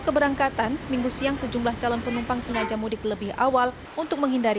keberangkatan minggu siang sejumlah calon penumpang sengaja mudik lebih awal untuk menghindari